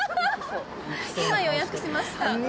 今、予約しました。